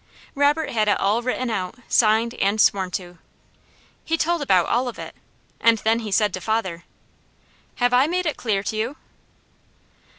Robert had it all written out, signed and sworn to. He told about all of it, and then he said to father: "Have I made it clear to you?"